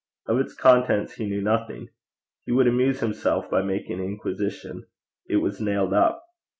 Of its contents he knew nothing. He would amuse himself by making inquisition. It was nailed up.